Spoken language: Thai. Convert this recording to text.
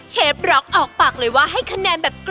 เชฟล็อกออกปากเลยว่าให้คะแนนแบบเกรงใจเกรงใจ